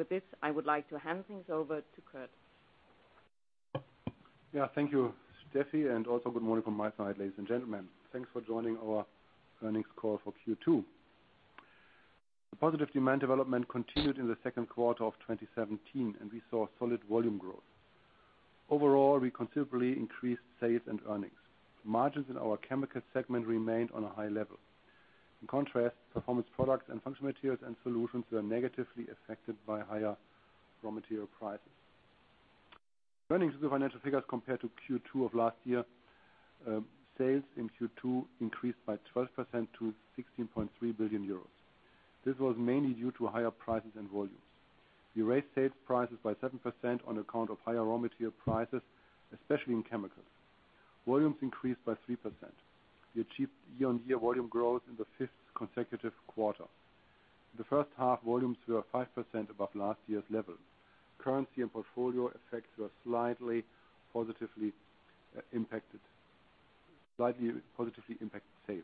With this, I would like to hand things over to Kurt. Yeah, thank you, Steffi, and also good morning from my side, ladies and gentlemen. Thanks for joining our earnings call for Q2. The positive demand development continued in the second quarter of 2017, and we saw solid volume growth. Overall, we considerably increased sales and earnings. Margins in our Chemicals segment remained on a high level. In contrast, Performance Products and Functional Materials & Solutions were negatively affected by higher raw material prices. Turning to the financial figures compared to Q2 of last year, sales in Q2 increased by 12% to 16.3 billion euros. This was mainly due to higher prices and volumes. We raised sales prices by 7% on account of higher raw material prices, especially in Chemicals. Volumes increased by 3%. We achieved year-on-year volume growth in the 5th consecutive quarter. The first half volumes were 5% above last year's level. Currency and portfolio effects were slightly positively impacted sales.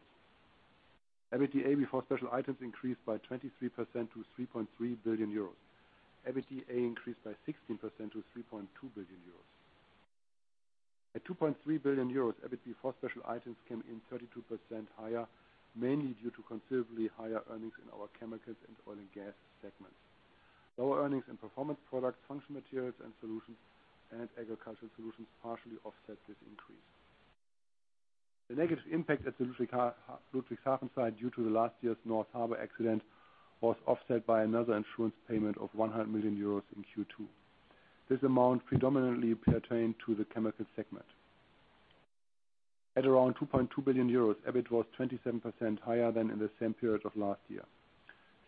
EBITDA before special items increased by 23% to 3.3 billion euros. EBITDA increased by 16% to 3.2 billion euros. At 2.3 billion euros, EBIT before special items came in 32% higher, mainly due to considerably higher earnings in our Chemicals and Oil and Gas segments. Lower earnings in Performance Products, Functional Materials & Solutions, and Agricultural Solutions partially offset this increase. The negative impact at the Ludwigshafen site due to the last year's North Harbor accident was offset by another insurance payment of 100 million euros in Q2. This amount predominantly pertained to the Chemicals segment. At around 2.2 billion euros, EBIT was 27% higher than in the same period of last year.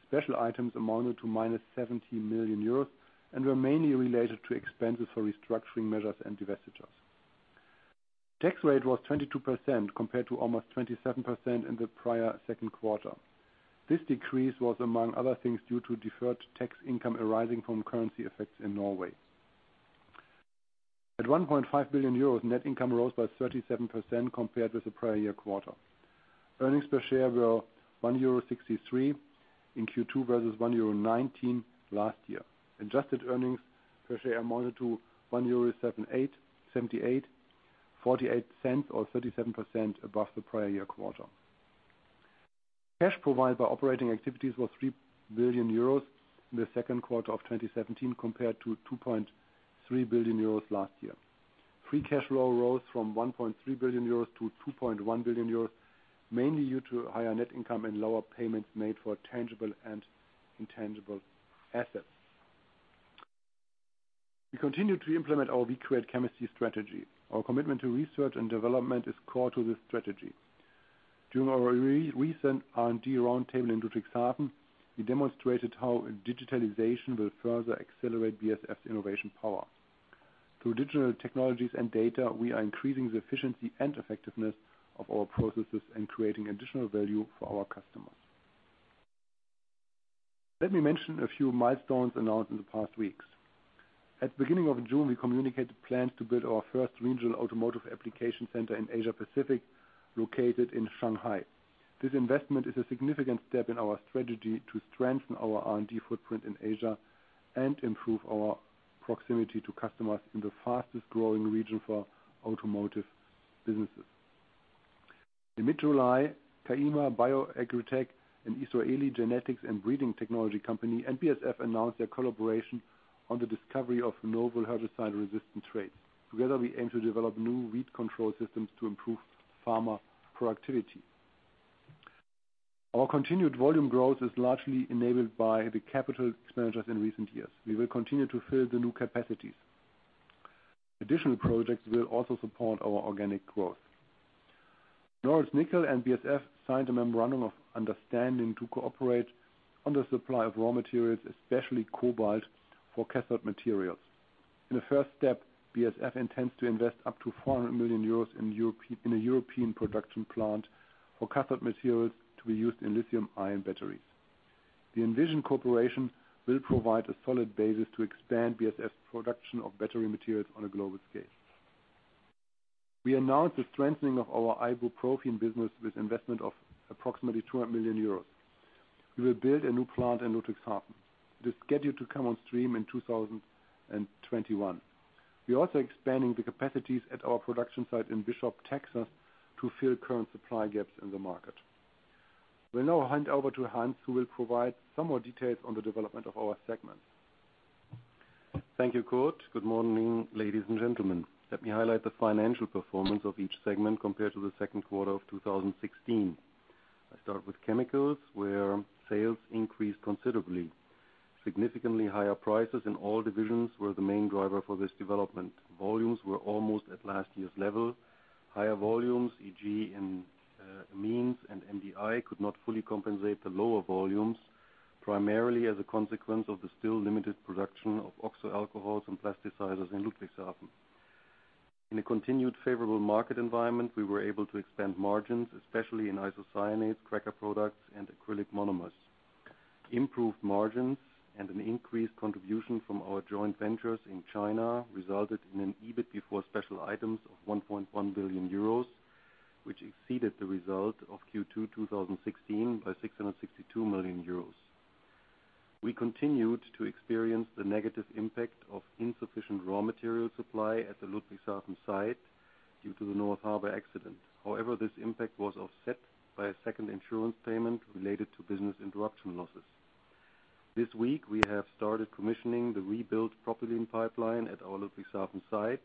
Special items amounted to -70 million euros and were mainly related to expenses for restructuring measures and divestitures. Tax rate was 22% compared to almost 27% in the prior second quarter. This decrease was, among other things, due to deferred tax income arising from currency effects in Norway. At 1.5 billion euros, net income rose by 37% compared with the prior year quarter. Earnings per share were 1.63 euro in Q2 versus 1.19 euro last year. Adjusted earnings per share amounted to 1.78 euro, 0.48 or 37% above the prior year quarter. Cash provided by operating activities was 3 billion euros in the second quarter of 2017 compared to 2.3 billion euros last year. Free cash flow rose from 1.3 billion euros to 2.1 billion euros, mainly due to higher net income and lower payments made for tangible and intangible assets. We continue to implement our We Create Chemistry strategy. Our commitment to research and development is core to this strategy. During our recent R&D roundtable in Ludwigshafen, we demonstrated how digitalization will further accelerate BASF's innovation power. Through digital technologies and data, we are increasing the efficiency and effectiveness of our processes and creating additional value for our customers. Let me mention a few milestones announced in the past weeks. At the beginning of June, we communicated plans to build our first regional automotive application center in Asia-Pacific, located in Shanghai. This investment is a significant step in our strategy to strengthen our R&D footprint in Asia and improve our proximity to customers in the fastest-growing region for automotive businesses. In mid-July, Kaiima Bio-Agritech, an Israeli genetics and breeding technology company, and BASF announced their collaboration on the discovery of novel herbicide-resistant traits. Together, we aim to develop new weed control systems to improve farmer productivity. Our continued volume growth is largely enabled by the capital expenditures in recent years. We will continue to fill the new capacities. Additional projects will also support our organic growth. Nornickel and BASF signed a memorandum of understanding to cooperate on the supply of raw materials, especially cobalt, for cathode materials. In the first step, BASF intends to invest up to 400 million euros in a European production plant for cathode materials to be used in lithium-ion batteries. The envisioned cooperation will provide a solid basis to expand BASF's production of battery materials on a global scale. We announced the strengthening of our ibuprofen business with investment of approximately 200 million euros. We will build a new plant in Ludwigshafen. It is scheduled to come on stream in 2021. We're also expanding the capacities at our production site in Bishop, Texas, to fill current supply gaps in the market. We'll now hand over to Hans, who will provide some more details on the development of our segments. Thank you, Kurt. Good morning, ladies and gentlemen. Let me highlight the financial performance of each segment compared to the second quarter of 2016. I start with chemicals, where sales increased considerably. Significantly higher prices in all divisions were the main driver for this development. Volumes were almost at last year's level. Higher volumes, e.g., in amines and MDI could not fully compensate the lower volumes, primarily as a consequence of the still limited production of oxo alcohols and plasticizers in Ludwigshafen. In a continued favorable market environment, we were able to expand margins, especially in isocyanates, cracker products, and acrylic monomers. Improved margins and an increased contribution from our joint ventures in China resulted in an EBIT before special items of 1.1 billion euros, which exceeded the result of Q2 2016 by 662 million euros. We continued to experience the negative impact of insufficient raw material supply at the Ludwigshafen site due to the North Harbor accident. However, this impact was offset by a second insurance payment related to business interruption losses. This week, we have started commissioning the rebuilt propylene pipeline at our Ludwigshafen site.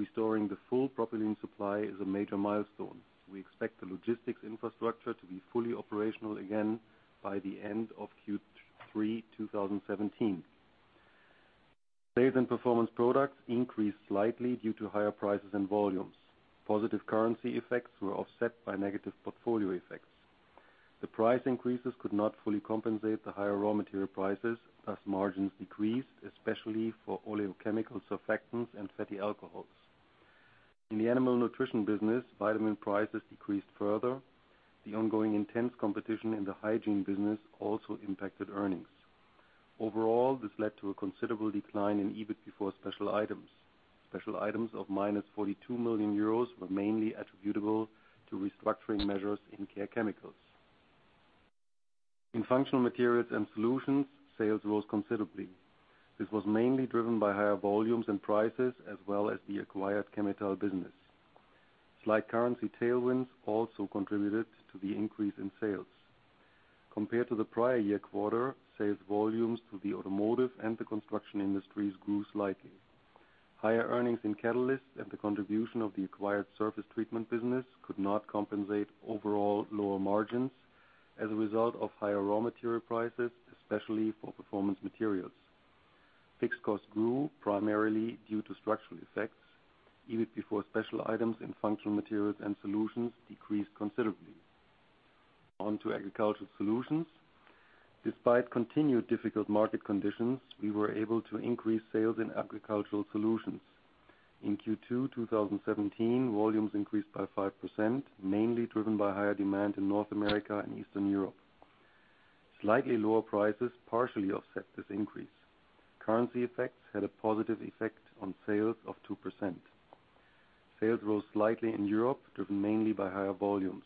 Restoring the full propylene supply is a major milestone. We expect the logistics infrastructure to be fully operational again by the end of Q3 2017. Sales in Performance Products increased slightly due to higher prices and volumes. Positive currency effects were offset by negative portfolio effects. The price increases could not fully compensate the higher raw material prices, thus margins decreased, especially for oleochemical surfactants and fatty alcohols. In the animal nutrition business, vitamin prices decreased further. The ongoing intense competition in the hygiene business also impacted earnings. Overall, this led to a considerable decline in EBIT before special items. Special items of minus 42 million euros were mainly attributable to restructuring measures in Care Chemicals. In Functional Materials and Solutions, sales rose considerably. This was mainly driven by higher volumes and prices, as well as the acquired Chemetall business. Slight currency tailwinds also contributed to the increase in sales. Compared to the prior year quarter, sales volumes to the automotive and the construction industries grew slightly. Higher earnings in catalysts and the contribution of the acquired surface treatment business could not compensate overall lower margins as a result of higher raw material prices, especially for Performance Materials. Fixed costs grew primarily due to structural effects. EBIT before special items in Functional Materials and Solutions decreased considerably. On to Agricultural Solutions. Despite continued difficult market conditions, we were able to increase sales in Agricultural Solutions. In Q2 2017, volumes increased by 5%, mainly driven by higher demand in North America and Eastern Europe. Slightly lower prices partially offset this increase. Currency effects had a positive effect on sales of 2%. Sales rose slightly in Europe, driven mainly by higher volumes.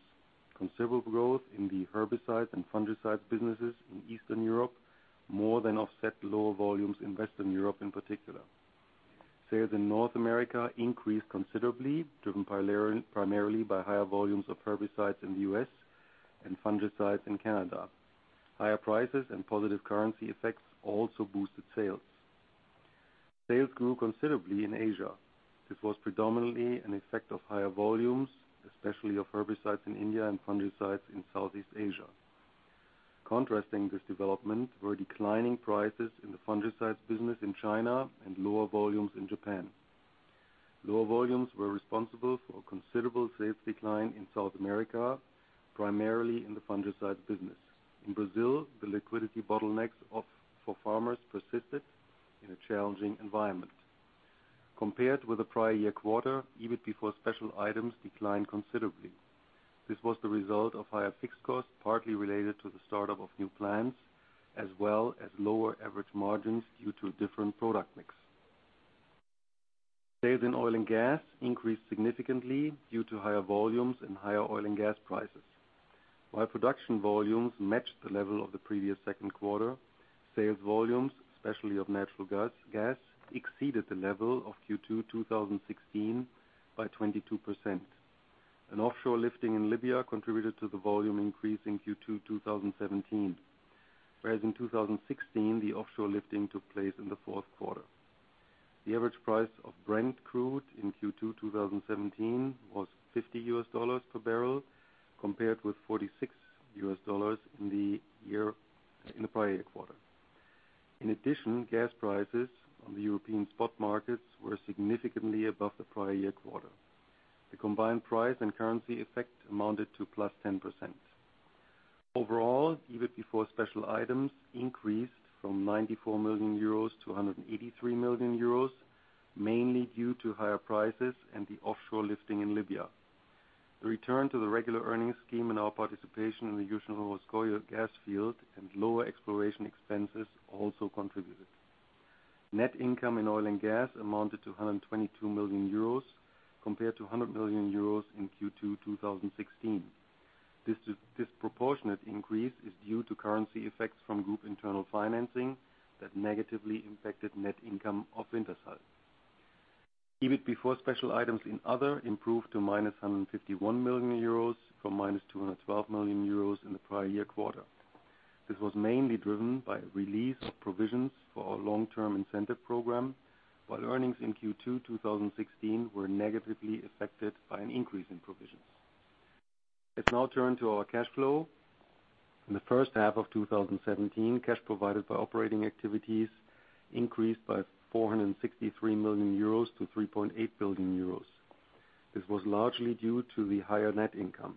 Considerable growth in the herbicides and fungicides businesses in Eastern Europe more than offset lower volumes in Western Europe in particular. Sales in North America increased considerably, driven primarily by higher volumes of herbicides in the US and fungicides in Canada. Higher prices and positive currency effects also boosted sales. Sales grew considerably in Asia. This was predominantly an effect of higher volumes, especially of herbicides in India and fungicides in Southeast Asia. Contrasting this development were declining prices in the fungicides business in China and lower volumes in Japan. Lower volumes were responsible for considerable sales decline in South America, primarily in the fungicides business. In Brazil, the liquidity bottlenecks for farmers persisted in a challenging environment. Compared with the prior year quarter, EBIT before special items declined considerably. This was the result of higher fixed costs, partly related to the start-up of new plants, as well as lower average margins due to a different product mix. Sales in oil and gas increased significantly due to higher volumes and higher oil and gas prices. While production volumes matched the level of the previous second quarter, sales volumes, especially of natural gas, exceeded the level of Q2, 2016 by 22%. An offshore lifting in Libya contributed to the volume increase in Q2, 2017. Whereas in 2016, the offshore lifting took place in the fourth quarter. The average price of Brent crude in Q2 2017 was $50 per barrel, compared with $46 in the prior quarter. In addition, gas prices on the European spot markets were significantly above the prior year quarter. The combined price and currency effect amounted to +10%. Overall, EBIT before special items increased from 94 million euros to 183 million euros, mainly due to higher prices and the offshore lifting in Libya. The return to the regular earnings scheme and our participation in the Yuzhno-Russkoye gas field and lower exploration expenses also contributed. Net income in oil and gas amounted to 122 million euros compared to 100 million euros in Q2 2016. This disproportionate increase is due to currency effects from group internal financing that negatively impacted net income of Wintershall. EBIT before special items in Other improved to minus 151 million euros from minus 212 million euros in the prior year quarter. This was mainly driven by a release of provisions for our long-term incentive program, while earnings in Q2 2016 were negatively affected by an increase in provisions. Let's now turn to our cash flow. In the first half of 2017, cash provided by operating activities increased by 463 million euros to 3.8 billion euros. This was largely due to the higher net income.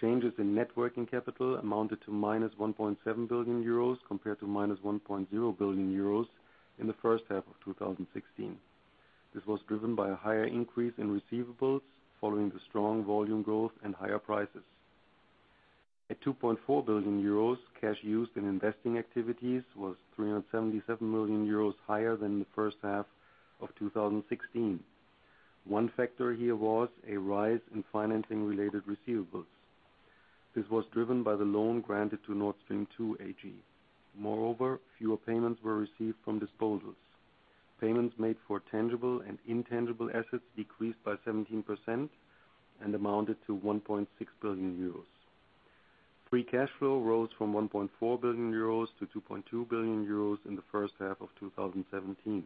Changes in net working capital amounted to minus 1.7 billion euros compared to minus 1.0 billion euros in the first half of 2016. This was driven by a higher increase in receivables following the strong volume growth and higher prices. At 2.4 billion euros, cash used in investing activities was 377 million euros higher than the first half of 2016. One factor here was a rise in financing related receivables. This was driven by the loan granted to Nord Stream 2 AG. Moreover, fewer payments were received from disposals. Payments made for tangible and intangible assets decreased by 17% and amounted to 1.6 billion euros. Free cash flow rose from 1.4 billion euros to 2.2 billion euros in the first half of 2017.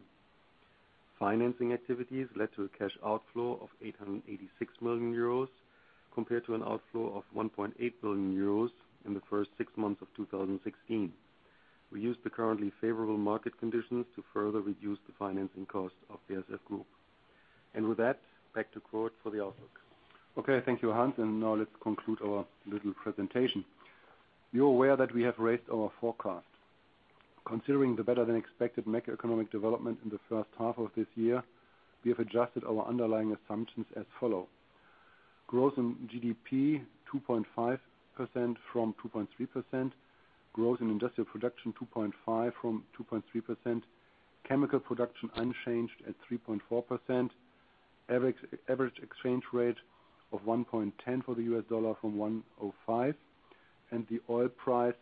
Financing activities led to a cash outflow of 886 million euros compared to an outflow of 1.8 billion euros in the first six months of 2016. We used the currently favorable market conditions to further reduce the financing cost of BASF Group. With that, back to Kurt for the outlook. Okay, thank you, Hans. Now let's conclude our little presentation. You're aware that we have raised our forecast. Considering the better than expected macroeconomic development in the first half of this year, we have adjusted our underlying assumptions as follows. Growth in GDP 2.5% from 2.3%. Growth in industrial production, 2.5% from 2.3%. Chemical production unchanged at 3.4%. Average exchange rate of 1.10 for the US dollar from 1.05, and the oil price,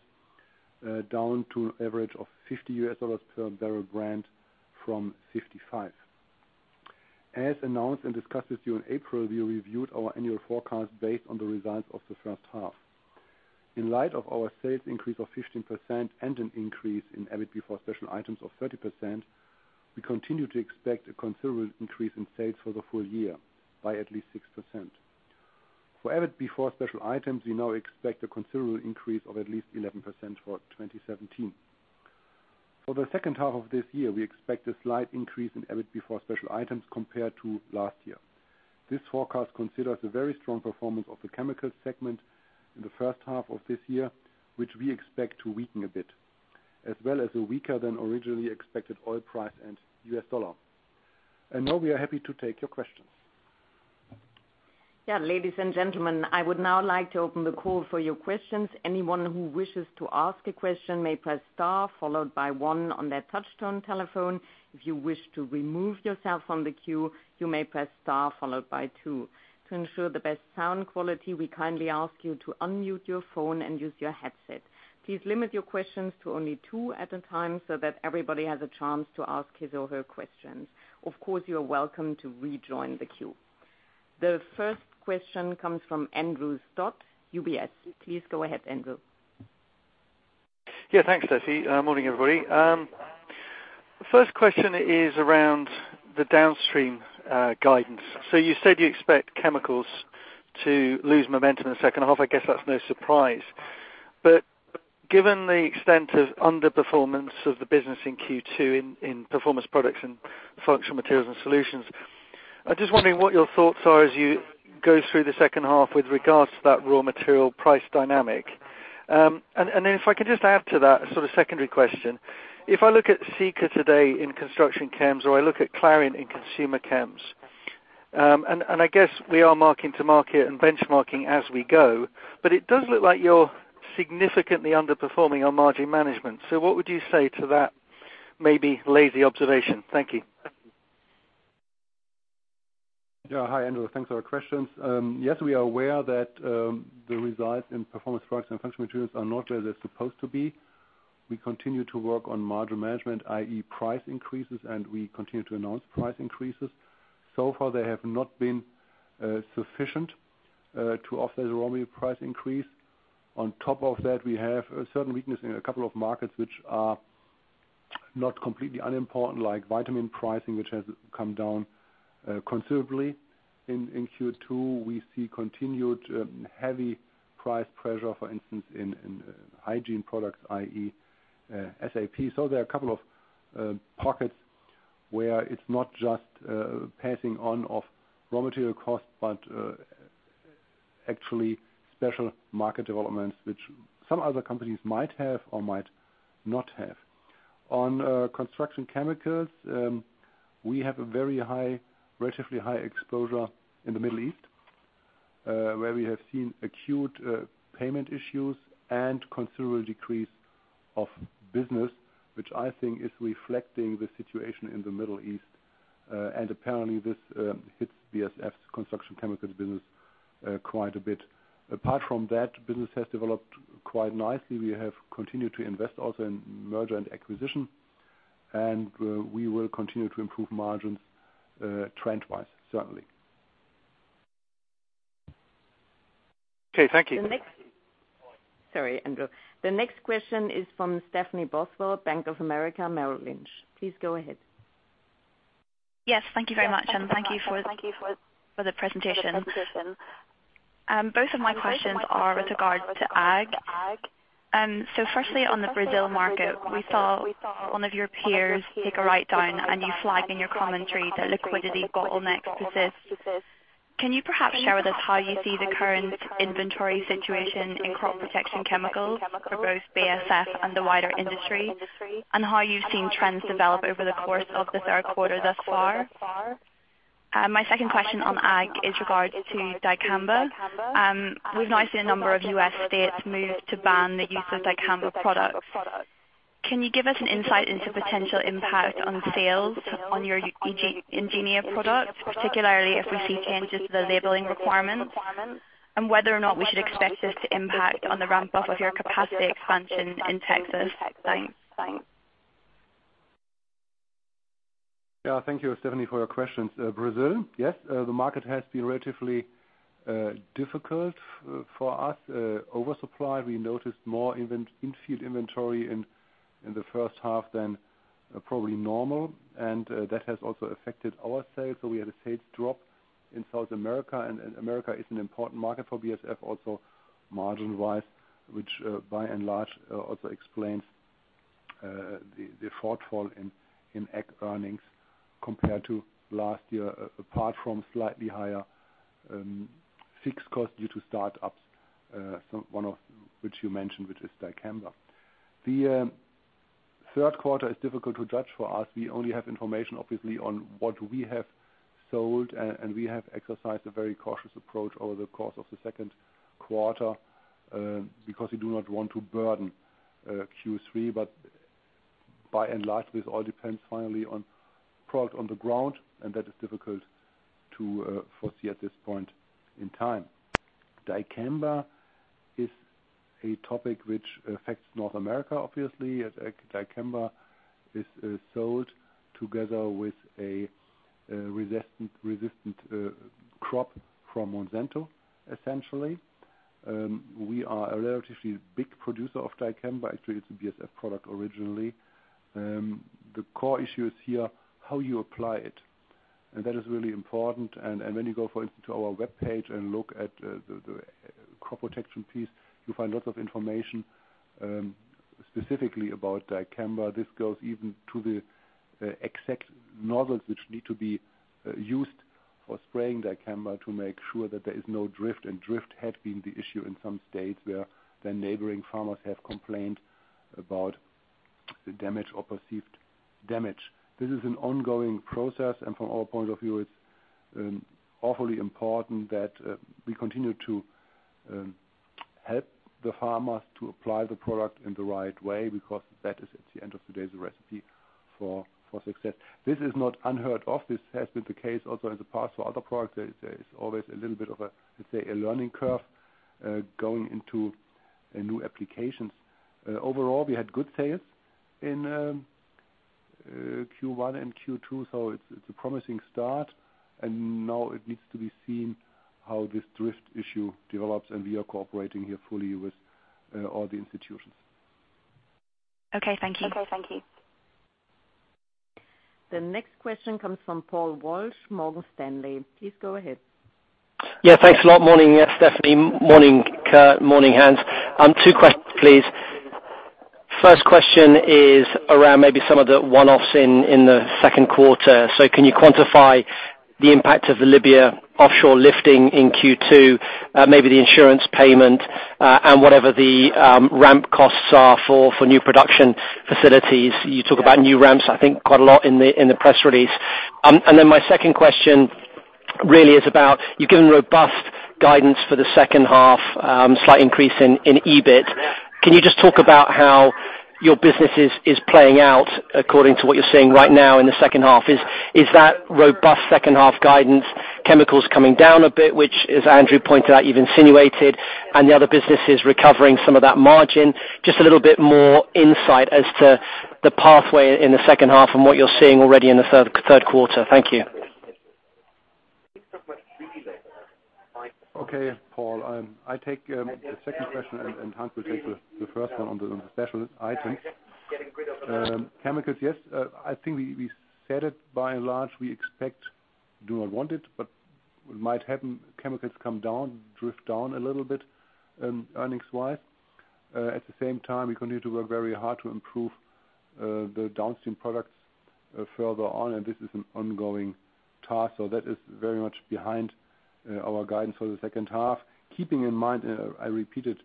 down to an average of $50 per barrel Brent from $55. As announced and discussed with you in April, we reviewed our annual forecast based on the results of the first half. In light of our sales increase of 15% and an increase in EBIT before special items of 30%, we continue to expect a considerable increase in sales for the full year by at least 6%. For EBIT before special items, we now expect a considerable increase of at least 11% for 2017. For the second half of this year, we expect a slight increase in EBIT before special items compared to last year. This forecast considers a very strong performance of the chemical segment in the first half of this year, which we expect to weaken a bit, as well as a weaker than originally expected oil price and US dollar. Now we are happy to take your questions. Yeah, ladies and gentlemen, I would now like to open the call for your questions. Anyone who wishes to ask a question may press star followed by one on their touchtone telephone. If you wish to remove yourself from the queue, you may press star followed by two. To ensure the best sound quality, we kindly ask you to unmute your phone and use your headset. Please limit your questions to only two at a time so that everybody has a chance to ask his or her questions. Of course, you are welcome to rejoin the queue. The first question comes from Andrew Stott, UBS. Please go ahead, Andrew. Yeah, thanks, Stephanie. Morning, everybody. The first question is around the downstream guidance. You said you expect chemicals to lose momentum in the second half. I guess that's no surprise. Given the extent of underperformance of the business in Q2 in Performance Products and Functional Materials & Solutions, I'm just wondering what your thoughts are as you go through the second half with regards to that raw material price dynamic. If I could just add to that sort of secondary question. If I look at Sika today in construction chems or I look at Clariant in consumer chems, and I guess we are marking to market and benchmarking as we go. It does look like you're significantly underperforming on margin management. What would you say to that maybe lazy observation? Thank you. Hi, Andrew. Thanks for your questions. Yes, we are aware that the results in Performance Products and Functional Materials are not as they're supposed to be. We continue to work on margin management, i.e., price increases, and we continue to announce price increases. So far, they have not been sufficient to offset the raw material price increase. On top of that, we have a certain weakness in a couple of markets which are not completely unimportant, like vitamin pricing, which has come down considerably in Q2. We see continued heavy price pressure, for instance, in hygiene products, i.e., SAP. There are a couple of pockets where it's not just passing on of raw material costs, but actually special market developments which some other companies might have or might not have. On construction chemicals, we have a very high, relatively high exposure in the Middle East, where we have seen acute payment issues and considerable decrease of business, which I think is reflecting the situation in the Middle East. Apparently this hits BASF's construction chemicals business quite a bit. Apart from that, business has developed quite nicely. We have continued to invest also in merger and acquisition, and we will continue to improve margins, trend-wise, certainly. Okay, thank you. Sorry, Andrew. The next question is from Stephanie Boswell, Bank of America, Merrill Lynch. Please go ahead. Yes, thank you very much, and thank you for the presentation. Both of my questions are with regards to ag. First, on the Brazil market, we saw one of your peers take a write down and you flag in your commentary that liquidity bottlenecks persist. Can you perhaps share with us how you see the current inventory situation in crop protection chemicals for both BASF and the wider industry, and how you've seen trends develop over the course of the third quarter thus far? My second question on ag is regards to dicamba. We've now seen a number of US states move to ban the use of dicamba products. Can you give us an insight into potential impact on sales on your Engenia products, particularly if we see changes to the labeling requirements? Whether or not we should expect this to impact on the ramp-up of your capacity expansion in Texas? Thanks. Yeah, thank you, Stephanie, for your questions. Brazil, yes, the market has been relatively difficult for us. Oversupply, we noticed more in-field inventory in the first half than probably normal, and that has also affected our sales. We had a sales drop in South America, and America is an important market for BASF also margin-wise, which by and large also explains the shortfall in ag earnings compared to last year, apart from slightly higher fixed costs due to start-ups, one of which you mentioned, which is dicamba. The third quarter is difficult to judge for us. We only have information obviously on what we have sold and we have exercised a very cautious approach over the course of the second quarter, because we do not want to burden Q3. By and large, this all depends finally on product on the ground, and that is difficult to foresee at this point in time. Dicamba is a topic which affects North America obviously, as dicamba is sold together with a resistant crop from Monsanto, essentially. We are a relatively big producer of dicamba. Actually, it's a BASF product originally. The core issue is here how you apply it, and that is really important. When you go, for instance, to our webpage and look at the crop protection piece, you'll find lots of information, specifically about dicamba. This goes even to the exact nozzles which need to be used for spraying dicamba to make sure that there is no drift, and drift had been the issue in some states where the neighboring farmers have complained about the damage or perceived damage. This is an ongoing process, and from our point of view, it's awfully important that we continue to help the farmers to apply the product in the right way because that is, at the end of the day, the recipe for success. This is not unheard of. This has been the case also in the past for other products. There is always a little bit of a, let's say, a learning curve going into new applications. Overall, we had good sales in Q1 and Q2, so it's a promising start. Now it needs to be seen how this drift issue develops, and we are cooperating here fully with all the institutions. Okay, thank you. The next question comes from Paul Walsh, Morgan Stanley. Please go ahead. Yeah, thanks a lot. Morning, Stephanie. Morning, Kurt. Morning, Hans. Two questions, please. First question is around maybe some of the one-offs in the second quarter. Can you quantify the impact of the Libya offshore lifting in Q2, maybe the insurance payment, and whatever the ramp costs are for new production facilities? You talk about new ramps, I think, quite a lot in the press release. Then my second question really is about you've given robust guidance for the second half, slight increase in EBIT. Can you just talk about how your business is playing out according to what you're seeing right now in the second half? Is that robust second half guidance, chemicals coming down a bit, which, as Andrew pointed out, you've insinuated, and the other business is recovering some of that margin? Just a little bit more insight as to the pathway in the second half and what you're seeing already in the third quarter. Thank you. Okay, Paul, I take the second question, and Hans will take the first one on the special items. Chemicals, yes, I think we said it, by and large, we expect do not want it, but it might happen, chemicals come down, drift down a little bit, earnings-wise. At the same time, we continue to work very hard to improve the downstream products further on, and this is an ongoing task. That is very much behind our guidance for the second half. Keeping in mind, I repeated,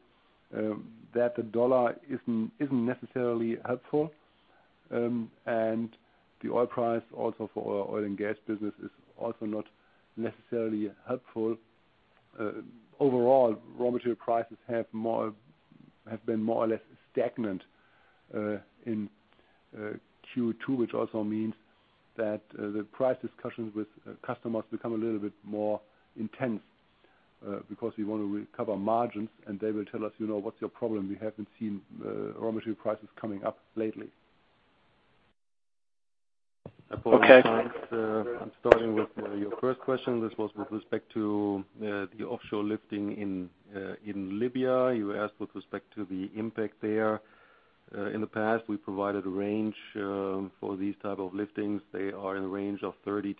that the US dollar isn't necessarily helpful, and the oil price also for our oil and gas business is also not necessarily helpful. Overall, raw material prices have been more or less stagnant in Q2, which also means that the price discussions with customers become a little bit more intense, because we want to recover margins, and they will tell us, you know, "What's your problem? We haven't seen raw material prices coming up lately. Okay. Paul, Hans, I'm starting with your first question. This was with respect to the offshore lifting in Libya. You asked with respect to the impact there. In the past, we provided a range for these type of liftings. They are in the range of 30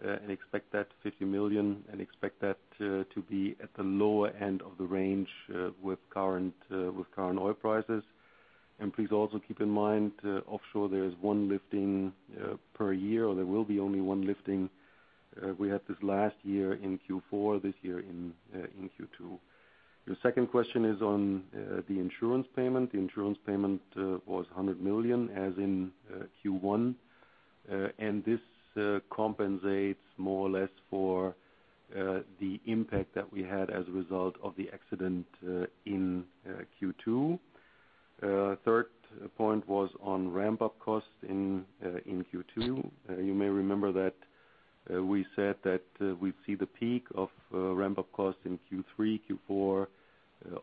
million-50 million, and expect that to be at the lower end of the range with current oil prices. Please also keep in mind, offshore there is one lifting per year, or there will be only one lifting. We had this last year in Q4, this year in Q2. Your second question is on the insurance payment. The insurance payment was 100 million as in Q1. This compensates more or less for the impact that we had as a result of the accident in Q2. Third point was on ramp-up costs in Q2. You may remember that we said that we'd see the peak of ramp-up costs in Q3, Q4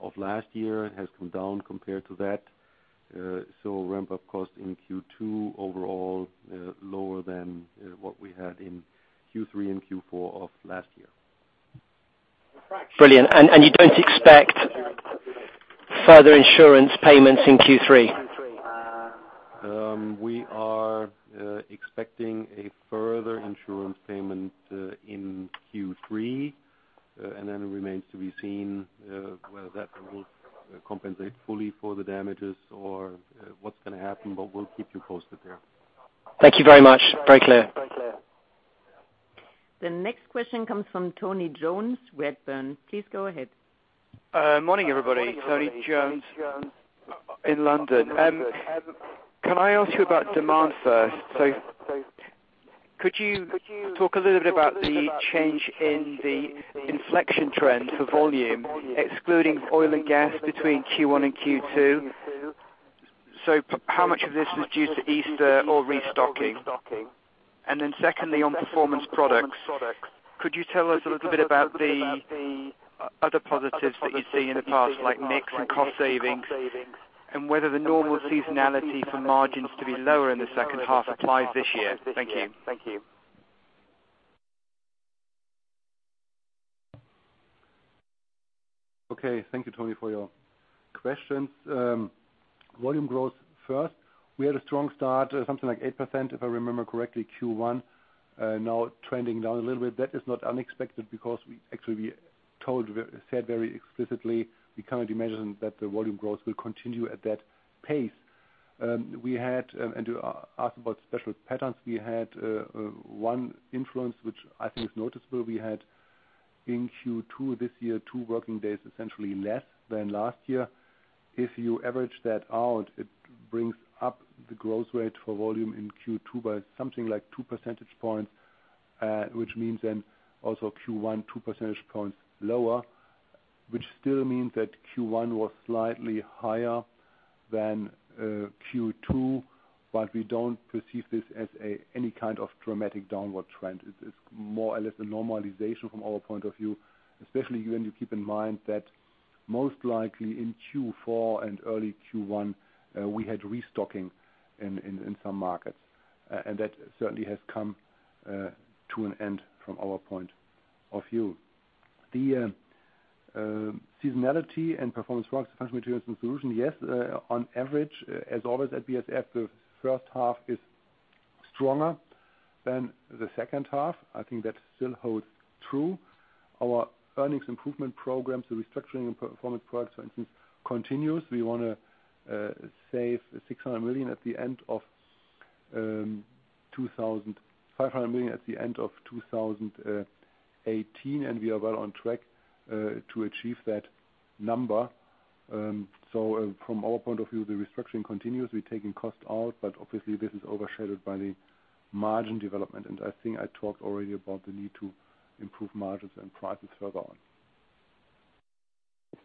of last year. It has come down compared to that. Ramp-up costs in Q2 overall lower than what we had in Q3 and Q4 of last year. Brilliant. You don't expect further insurance payments in Q3? We are expecting a further insurance payment in Q3. It remains to be seen whether that will compensate fully for the damages or what's gonna happen, but we'll keep you posted there. Thank you very much. Very clear. The next question comes from Tony Jones, Redburn. Please go ahead. Morning, everybody. Tony Jones in London. Can I ask you about demand first? Could you talk a little bit about the change in the inflection trend for volume, excluding oil and gas between Q1 and Q2? How much of this is due to Easter or restocking? Then secondly, on Performance Products, could you tell us a little bit about the other positives that you see in the past, like mix and cost savings, and whether the normal seasonality for margins to be lower in the second half applies this year? Thank you. Okay. Thank you, Tony, for your questions. Volume growth first. We had a strong start, something like 8%, if I remember correctly, Q1. Now trending down a little bit. That is not unexpected because we actually said very explicitly, we can't imagine that the volume growth will continue at that pace. You asked about seasonal patterns. We had one influence, which I think is noticeable. We had in Q2 this year 2 working days essentially less than last year. If you average that out, it brings up the growth rate for volume in Q2 by something like 2 percentage points, which means then also Q1 2 percentage points lower, which still means that Q1 was slightly higher than Q2. We don't perceive this as any kind of dramatic downward trend. It's more or less a normalization from our point of view, especially when you keep in mind that most likely in Q4 and early Q1, we had restocking in some markets, and that certainly has come to an end from our point of view. Seasonality in Performance Products, Functional Materials & Solutions, on average, as always at BASF, the first half is stronger than the second half. I think that still holds true. Our earnings improvement programs, the restructuring in Performance Products, for instance, continues. We wanna save 500 million at the end of 2018, and we are well on track to achieve that number. From our point of view, the restructuring continues. We're taking cost out, but obviously this is overshadowed by the margin development. I think I talked already about the need to improve margins and prices further on.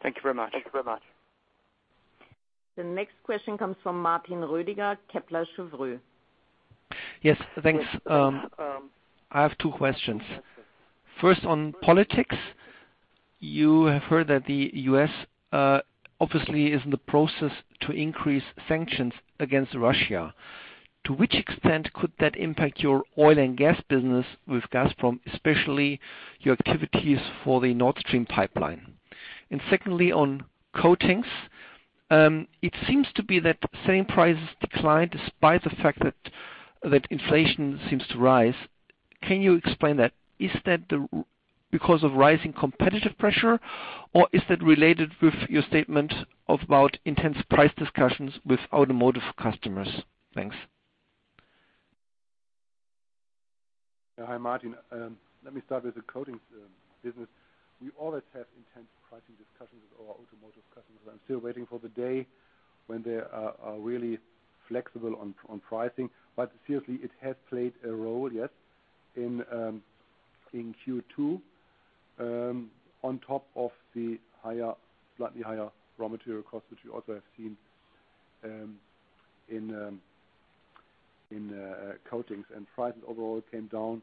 Thank you very much. The next question comes from Martin Roediger, Kepler Cheuvreux. Yes, thanks. I have two questions. First, on politics, you have heard that the US obviously is in the process to increase sanctions against Russia. To which extent could that impact your oil and gas business with Gazprom, especially your activities for the Nord Stream pipeline? Secondly, on coatings, it seems to be that the same prices declined despite the fact that inflation seems to rise. Can you explain that? Is that because of rising competitive pressure, or is that related with your statement about intense price discussions with automotive customers? Thanks. Hi, Martin. Let me start with the coatings business. We always have intense pricing discussions with our automotive customers. I'm still waiting for the day when they are really flexible on pricing. Seriously, it has played a role, yes, in Q2, on top of the slightly higher raw material costs, which we also have seen in coatings. Prices overall came down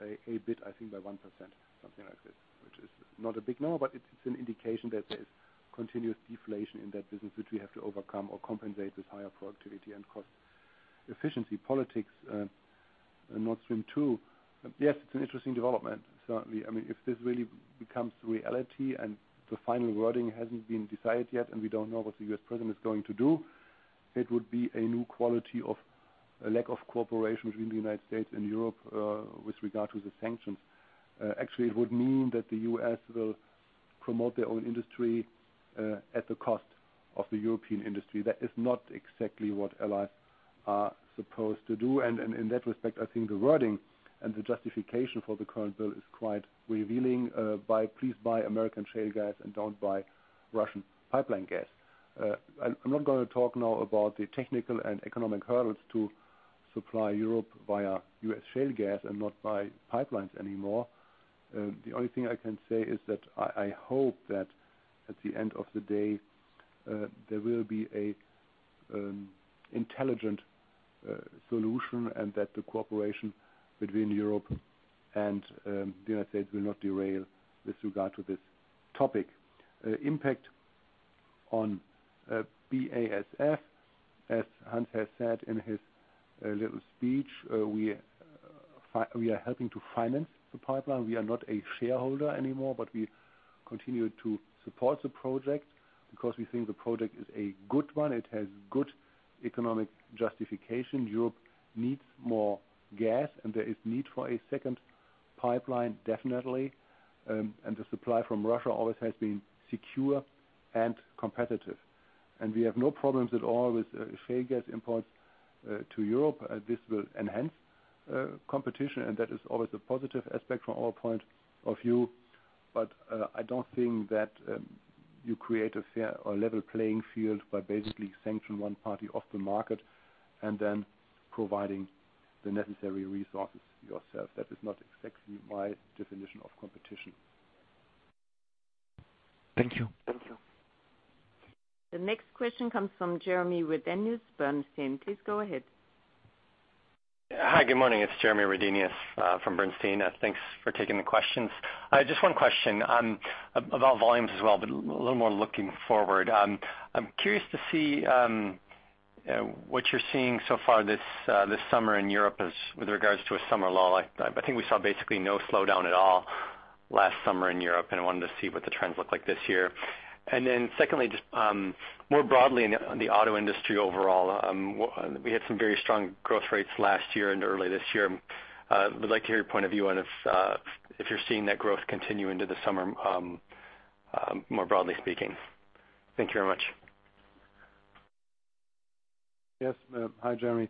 a bit, I think by 1%, something like this, which is not a big number, but it's an indication that there's continuous deflation in that business, which we have to overcome or compensate with higher productivity and cost efficiency. Politics, Nord Stream 2. Yes, it's an interesting development, certainly. I mean, if this really becomes reality and the final wording hasn't been decided yet, and we don't know what the US president is going to do, it would be a new quality of a lack of cooperation between the United States and Europe with regard to the sanctions. Actually, it would mean that the US will promote their own industry at the cost of the European industry. That is not exactly what allies are supposed to do. In that respect, I think the wording and the justification for the current bill is quite revealing, buy, please buy American shale gas and don't buy Russian pipeline gas. I'm not gonna talk now about the technical and economic hurdles to supply Europe via US shale gas and not by pipelines anymore. The only thing I can say is that I hope that at the end of the day, there will be a intelligent solution, and that the cooperation between Europe and the United States will not derail with regard to this topic. Impact on BASF, as Hans has said in his little speech, we are helping to finance the pipeline. We are not a shareholder anymore, but we continue to support the project because we think the project is a good one. It has good economic justification. Europe needs more gas, and there is need for a second pipeline, definitely. The supply from Russia always has been secure and competitive. We have no problems at all with shale gas imports to Europe. This will enhance competition, and that is always a positive aspect from our point of view. I don't think that you create a fair or level playing field by basically sanctioning one party off the market and then providing the necessary resources yourself. That is not exactly my definition of competition. Thank you. Thank you. The next question comes from Jeremy Redenius, Bernstein. Please go ahead. Hi, good morning. It's Jeremy Redenius from Bernstein. Thanks for taking the questions. Just one question about volumes as well, but a little more looking forward. I'm curious to see what you're seeing so far this summer in Europe with regards to a summer lull. I think we saw basically no slowdown at all last summer in Europe, and I wanted to see what the trends look like this year. Secondly, just more broadly in on the auto industry overall, we had some very strong growth rates last year and early this year. Would like to hear your point of view on if you're seeing that growth continue into the summer more broadly speaking. Thank you very much. Yes. Hi, Jeremy.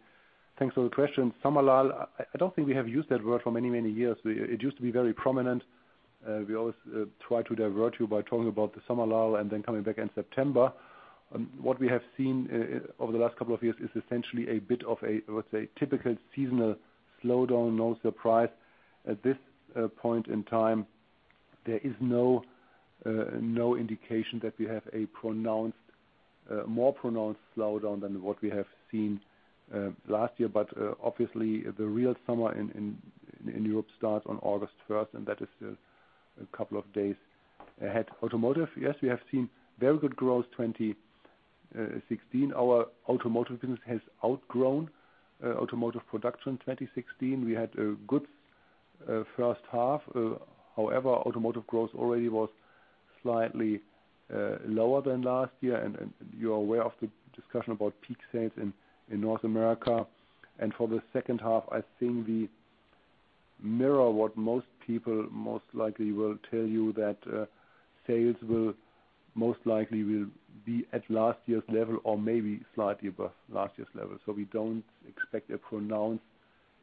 Thanks for the question. Summer lull, I don't think we have used that word for many, many years. It used to be very prominent. We always try to divert you by talking about the summer lull and then coming back in September. What we have seen over the last couple of years is essentially a bit of a, I would say, typical seasonal slowdown, no surprise. At this point in time, there is no indication that we have a pronounced, more pronounced slowdown than what we have seen last year. Obviously the real summer in Europe starts on August first, and that is a couple of days ahead. Automotive, yes, we have seen very good growth 2016. Our automotive business has outgrown automotive production. 2016, we had a good first half. However, automotive growth already was slightly lower than last year. You're aware of the discussion about peak sales in North America. For the second half, I think we mirror what most people most likely will tell you that sales will most likely be at last year's level or maybe slightly above last year's level. We don't expect a pronounced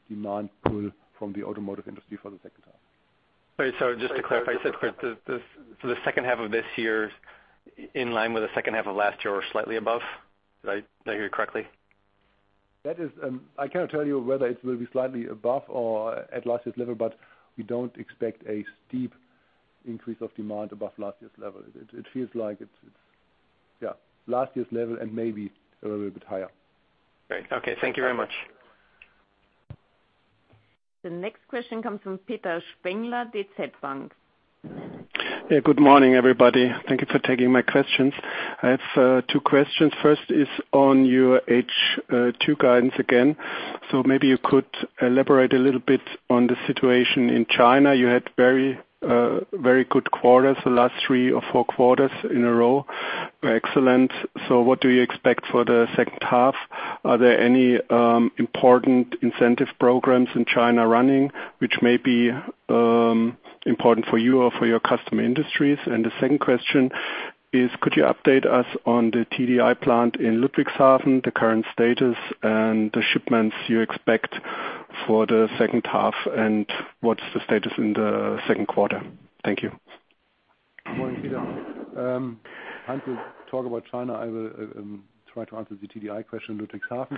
demand pull from the automotive industry for the second half. Sorry. Just to clarify, for the second half of this year is in line with the second half of last year or slightly above? Did I hear correctly? That is, I cannot tell you whether it will be slightly above or at last year's level, but we don't expect a steep increase of demand above last year's level. It feels like it's, yeah, last year's level and maybe a little bit higher. Great. Okay. Thank you very much. The next question comes from Peter Spengler, DZ Bank. Yeah, good morning, everybody. Thank you for taking my questions. I have two questions. First is on your H2 guidance again. So maybe you could elaborate a little bit on the situation in China. You had very good quarters the last three or four quarters in a row. Excellent. So what do you expect for the second half? Are there any important incentive programs in China running, which may be important for you or for your customer industries? The second question is, could you update us on the TDI plant in Ludwigshafen, the current status and the shipments you expect for the second half, and what's the status in the second quarter? Thank you. Good morning, Peter. Hans will talk about China. I will try to answer the TDI question, Ludwigshafen.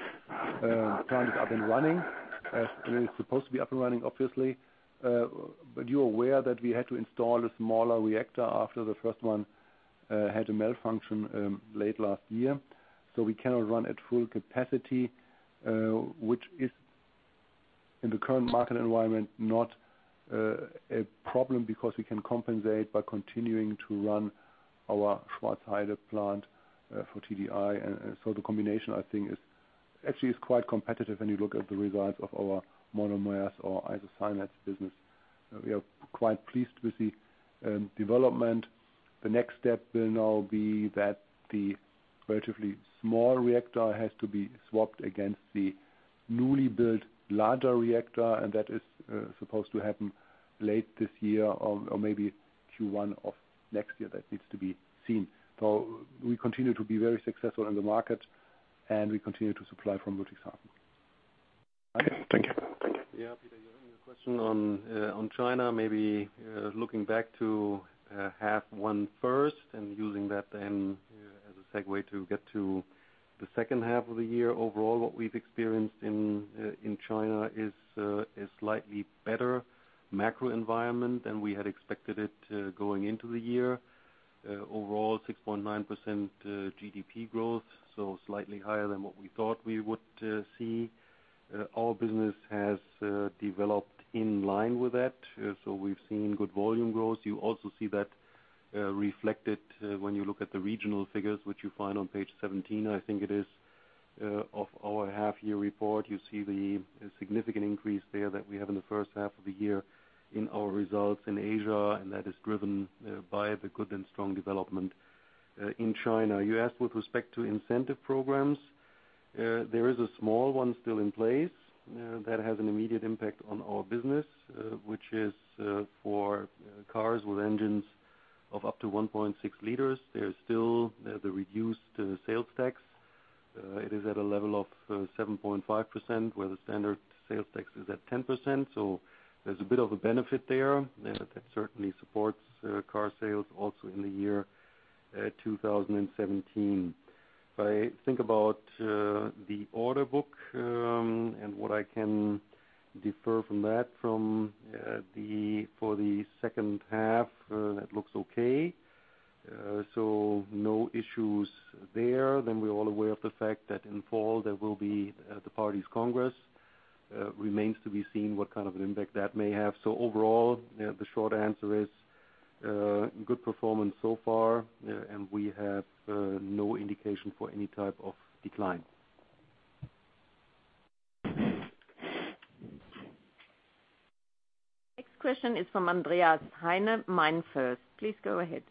The plant is up and running, as it is supposed to be up and running, obviously. You're aware that we had to install a smaller reactor after the first one had a malfunction late last year. We cannot run at full capacity, which is in the current market environment not a problem because we can compensate by continuing to run our Schwarzheide plant for TDI. The combination, I think, is actually quite competitive when you look at the results of our monomers or isocyanates business. We are quite pleased with the development. The next step will now be that the relatively small reactor has to be swapped against the newly built larger reactor, and that is supposed to happen late this year or maybe Q1 of next year. That needs to be seen. We continue to be very successful in the market, and we continue to supply from Ludwigshafen. Okay. Thank you. Thank you. Yeah, Peter, your question on China, maybe looking back to half one first and using that then as a segue to get to the second half of the year. Overall, what we've experienced in China is a slightly better macro environment than we had expected it going into the year. Overall 6.9% GDP growth, so slightly higher than what we thought we would see. Our business has developed in line with that, so we've seen good volume growth. You also see that reflected when you look at the regional figures, which you find on page 17, I think it is, of our half year report. You see the significant increase there that we have in the first half of the year in our results in Asia, and that is driven by the good and strong development in China. You asked with respect to incentive programs. There is a small one still in place that has an immediate impact on our business, which is for cars with engines of up to 1.6 liters. There is still the reduced sales tax. It is at a level of 7.5%, where the standard sales tax is at 10%, so there's a bit of a benefit there. That certainly supports car sales also in the year 2017. If I think about the order book and what I can infer from that for the second half, that looks okay. No issues there. We're all aware of the fact that in fall there will be the Party's Congress. Remains to be seen what kind of an impact that may have. Overall, the short answer is good performance so far and we have no indication for any type of decline. Next question is from Andreas Heine, MainFirst. Please go ahead.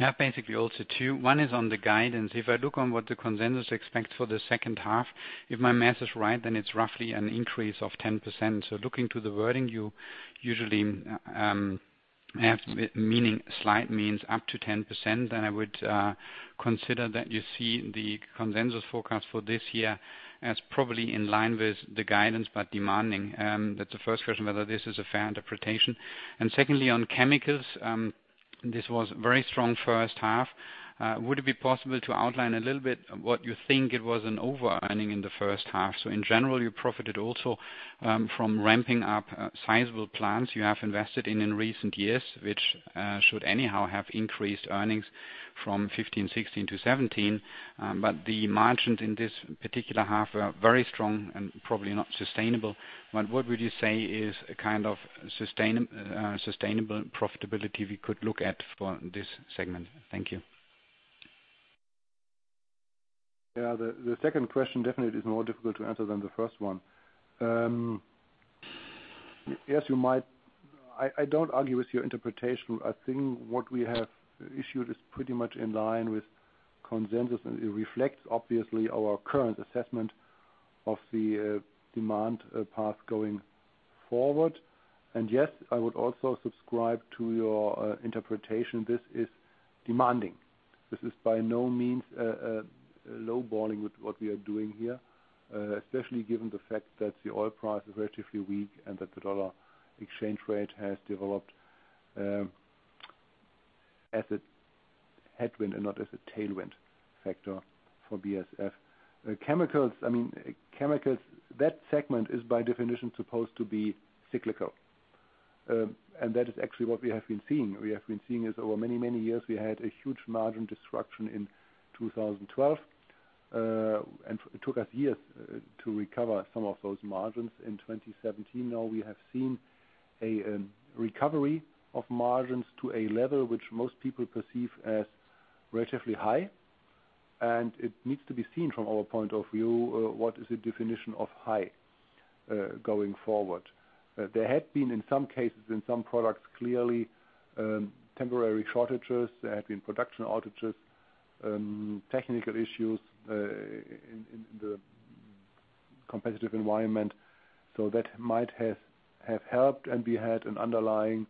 I have basically also two. One is on the guidance. If I look on what the consensus expects for the second half, if my math is right, then it's roughly an increase of 10%. Looking to the wording, you usually have meaning slight means up to 10%, then I would consider that you see the consensus forecast for this year as probably in line with the guidance, but demanding. That's the first question, whether this is a fair interpretation. Secondly, on chemicals, this was very strong first half. Would it be possible to outline a little bit what you think it was an over earning in the first half? In general, you profited also from ramping up sizable plants you have invested in in recent years, which should anyhow have increased earnings from 2015, 2016 to 2017. The margins in this particular half are very strong and probably not sustainable. What would you say is a kind of sustainable profitability we could look at for this segment? Thank you. Yeah. The second question definitely is more difficult to answer than the first one. I don't argue with your interpretation. I think what we have issued is pretty much in line with consensus, and it reflects obviously our current assessment of the demand path going forward. Yes, I would also subscribe to your interpretation. This is demanding. This is by no means lowballing with what we are doing here, especially given the fact that the oil price is relatively weak and that the dollar exchange rate has developed as a headwind and not as a tailwind factor for BASF. Chemicals, I mean, that segment is by definition supposed to be cyclical. That is actually what we have been seeing. We have been seeing this over many, many years. We had a huge margin disruption in 2012. It took us years to recover some of those margins. In 2017, now we have seen a recovery of margins to a level which most people perceive as relatively high. It needs to be seen from our point of view, what is the definition of high going forward. There had been, in some cases, in some products, clearly, temporary shortages. There had been production outages, technical issues in the competitive environment. That might have helped, and we had an underlying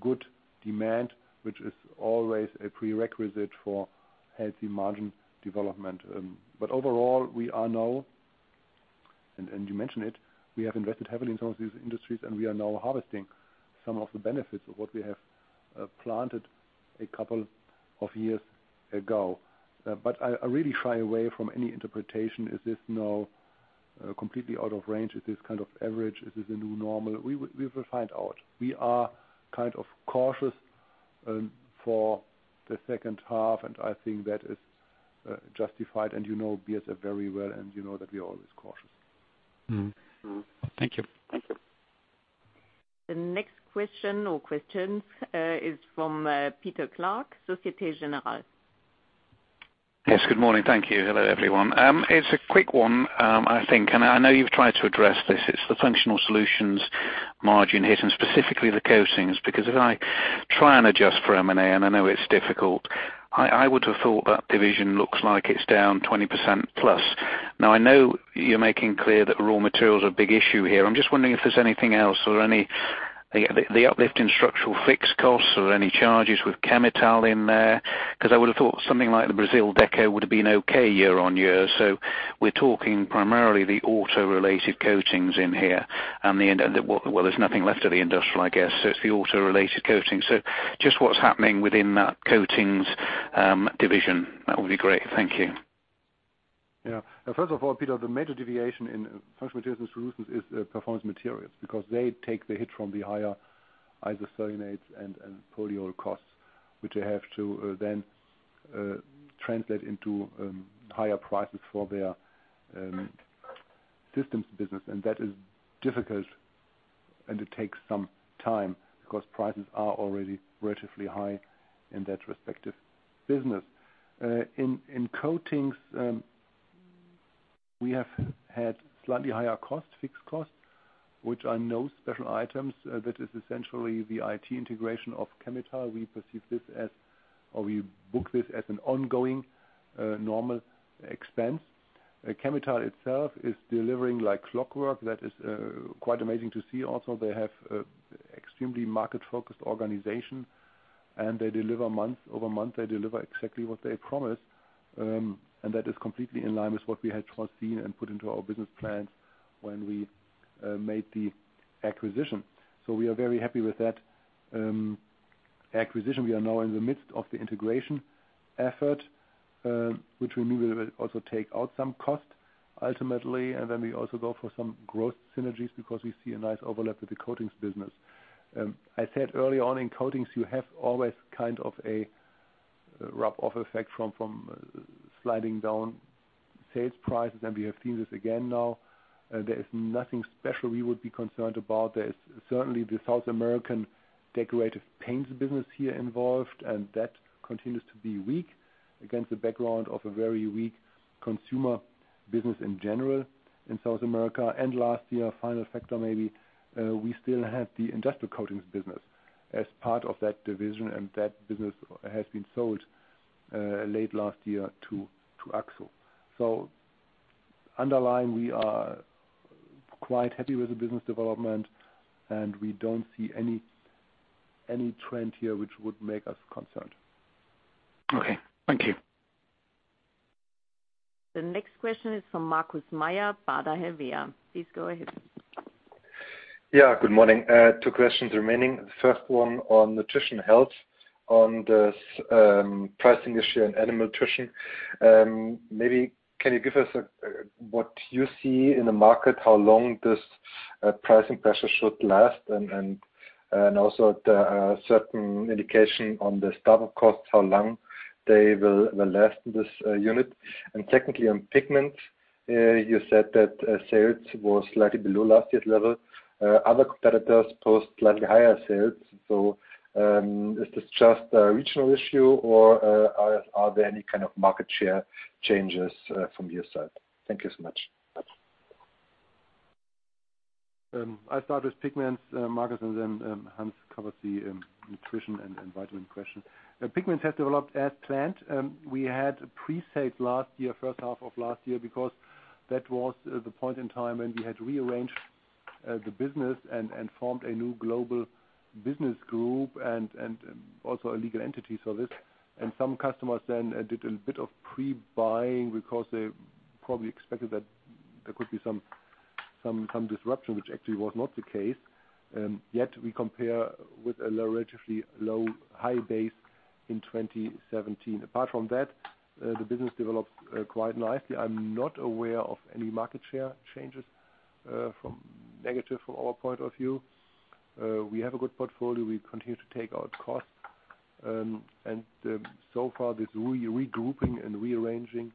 good demand, which is always a prerequisite for healthy margin development. Overall, we are now, and you mentioned it, we have invested heavily in some of these industries, and we are now harvesting some of the benefits of what we have planted a couple of years ago. I really shy away from any interpretation. Is this now completely out of range? Is this kind of average? Is this a new normal? We will find out. We are kind of cautious for the second half, and I think that is justified. You know BASF very well, and you know that we are always cautious. Mm-hmm. Thank you. Thank you. The next question or questions is from Peter Clark, Société Générale. Yes. Good morning. Thank you. Hello, everyone. It's a quick one, I think, and I know you've tried to address this. It's the Functional Materials & Solutions margin hit and specifically the coatings, because if I... Try and adjust for M&A, and I know it's difficult. I would have thought that division looks like it's down 20% plus. Now, I know you're making clear that raw materials are a big issue here. I'm just wondering if there's anything else. Are there any uplift in structural fixed costs? Are there any charges with Chemetall in there? Because I would have thought something like the Brazil Deco would have been okay year-over-year. We're talking primarily the auto-related coatings in here. Well, there's nothing left of the industrial, I guess. It's the auto-related coating. Just what's happening within that coatings division. That would be great. Thank you. Yeah. First of all, Peter, the major deviation in Functional Materials & Solutions is Performance Materials because they take the hit from the higher isocyanates and polyol costs, which they have to then translate into higher prices for their systems business. That is difficult, and it takes some time because prices are already relatively high in that respective business. In Coatings, we have had slightly higher costs, fixed costs, which are no special items. That is essentially the IT integration of Chemetall. We perceive this as, or we book this as an ongoing normal expense. Chemetall itself is delivering like clockwork. That is quite amazing to see. Also, they have extremely market-focused organization, and they deliver month-over-month. They deliver exactly what they promise, and that is completely in line with what we had foreseen and put into our business plans when we made the acquisition. We are very happy with that acquisition. We are now in the midst of the integration effort, which we knew will also take out some cost ultimately. We also go for some growth synergies because we see a nice overlap with the Coatings business. I said early on in Coatings, you have always kind of a rub-off effect from sliding down sales prices, and we have seen this again now. There is nothing special we would be concerned about. There is certainly the South American Decorative Paints business here involved, and that continues to be weak against the background of a very weak consumer business in general in South America. Last year, final factor maybe, we still have the industrial coatings business as part of that division, and that business has been sold late last year to AkzoNobel. Underlying, we are quite happy with the business development, and we don't see any trend here which would make us concerned. Okay, thank you. The next question is from Markus Mayer, Baader Helvea. Please go ahead. Yeah, good morning. Two questions remaining. First one on Nutrition & Health on this pricing issue in animal nutrition. Maybe can you give us what you see in the market, how long this pricing pressure should last, and also the certain indication on the startup costs, how long they will last in this unit? Secondly, on Pigments, you said that sales was slightly below last year's level. Other competitors posted slightly higher sales. Is this just a regional issue or are there any kind of market share changes from your side? Thank you so much. I'll start with Pigments, Markus, and then, Hans covers the nutrition and vitamin question. Pigments have developed as planned. We had a pre-sale last year, first half of last year, because that was the point in time when we had rearranged the business and formed a new global business group and also a legal entity for this. Some customers then did a bit of pre-buying because they probably expected that there could be some disruption, which actually was not the case. Yet we compare with a relatively low high base in 2017. Apart from that, the business developed quite nicely. I'm not aware of any market share changes, from negative from our point of view. We have a good portfolio. We continue to take out costs. This re-regrouping and rearranging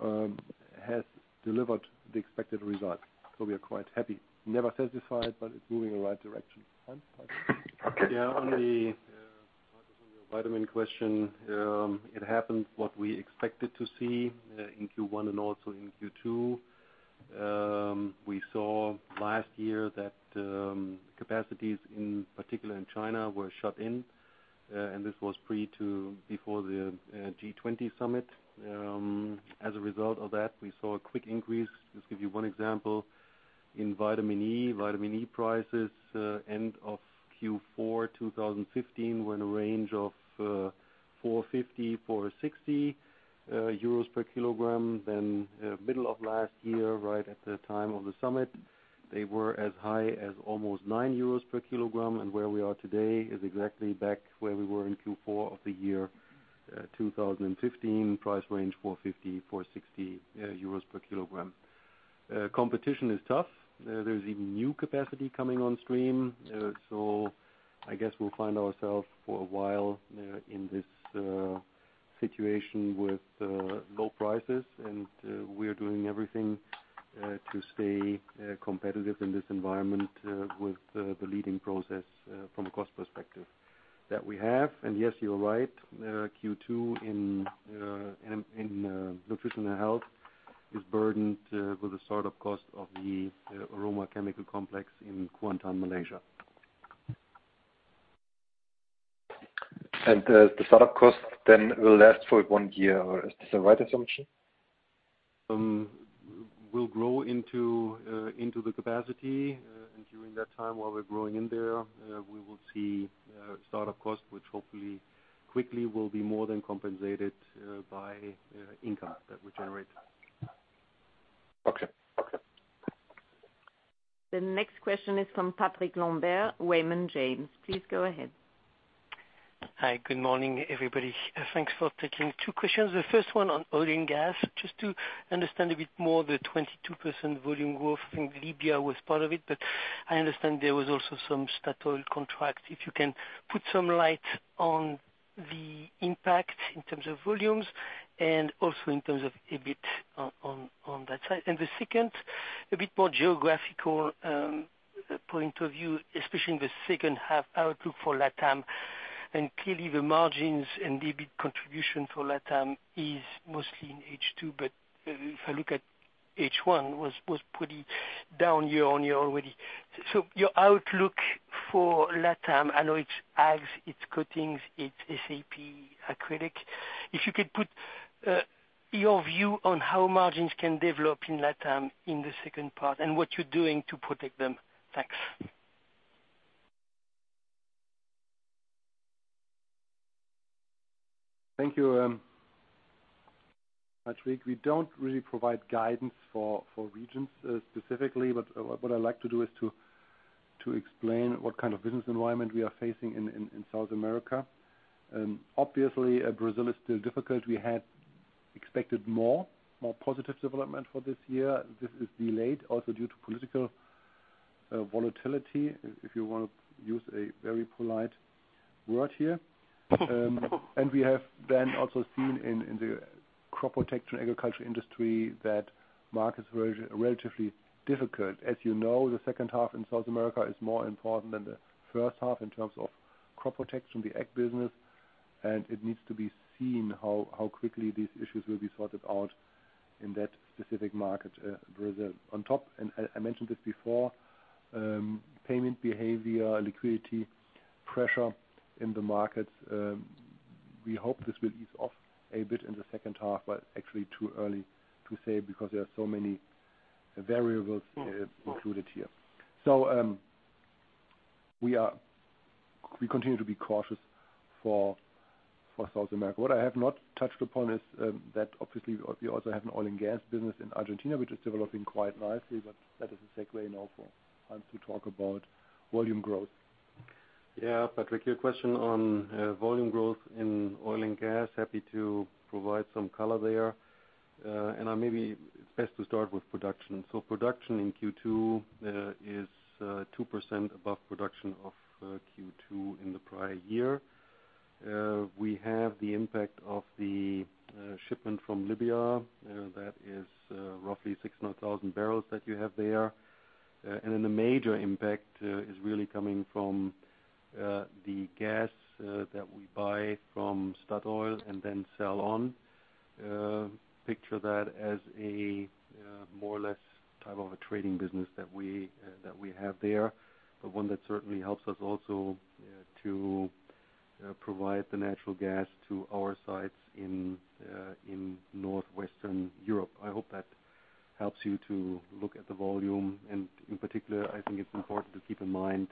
has delivered the expected result. We are quite happy. Never satisfied, but it's moving in the right direction. Hans? Okay. Yeah. On the Markus, on your vitamin question, it happened what we expected to see in Q1 and also in Q2. We saw last year that capacities, in particular in China, were shut in, and this was before the G20 summit. As a result of that, we saw a quick increase. Just give you one example. In vitamin E prices end of Q4 2015 were in a range of 450-460 euros per kilogram. Then, middle of last year, right at the time of the summit, they were as high as almost 9 euros per kilogram. Where we are today is exactly back where we were in Q4 of 2015, price range 450-460 euros per kilogram. Competition is tough. There's even new capacity coming on stream. I guess we'll find ourselves for a while in this situation with low prices, and we're doing everything to stay competitive in this environment with the leading process from a cost perspective that we have. Yes, you're right. Q2 in Nutrition & Health is burdened with the startup cost of the aroma chemical complex in Kuantan, Malaysia. The startup cost then will last for one year, is this a right assumption? We'll grow into the capacity, and during that time while we're growing in there, we will see startup costs which hopefully quickly will be more than compensated by income that we generate. Okay. Okay. The next question is from Patrick Lambert, Raymond James. Please go ahead. Hi. Good morning, everybody. Thanks for taking two questions. The first one on oil and gas, just to understand a bit more the 22% volume growth, and Libya was part of it, but I understand there was also some Statoil contract. If you can put some light on the impact in terms of volumes and also in terms of EBIT on that side. The second, a bit more geographical point of view, especially in the second half outlook for Latam, and clearly the margins and EBIT contribution for Latam is mostly in H2. If I look at H1 was pretty down year-over-year already. Your outlook for Latam, I know it's ag, it's coatings, it's SAP acrylic. If you could put your view on how margins can develop in Latam in the second part and what you're doing to protect them? Thanks. Thank you, Patrick. We don't really provide guidance for regions specifically, but what I like to do is to explain what kind of business environment we are facing in South America. Obviously, Brazil is still difficult. We had expected more positive development for this year. This is delayed also due to political volatility, if you want to use a very polite word here. We have then also seen in the crop protection agriculture industry that markets were relatively difficult. As you know, the second half in South America is more important than the first half in terms of crop protection, the ag business. It needs to be seen how quickly these issues will be sorted out in that specific market, reserve. On top, I mentioned this before, payment behavior, liquidity pressure in the markets. We hope this will ease off a bit in the second half, but actually too early to say because there are so many variables included here. We continue to be cautious for South America. What I have not touched upon is that obviously we also have an oil and gas business in Argentina, which is developing quite nicely, but that is a segue now for Hans to talk about volume growth. Yeah. Patrick, your question on volume growth in oil and gas. Happy to provide some color there. Maybe best to start with production. Production in Q2 is 2% above production of Q2 in the prior year. We have the impact of the shipment from Libya that is roughly 600,000 barrels that you have there. Then the major impact is really coming from the gas that we buy from Statoil and then sell on. Picture that as a more or less type of a trading business that we have there, but one that certainly helps us also to provide the natural gas to our sites in northwestern Europe. I hope that helps you to look at the volume. In particular, I think it's important to keep in mind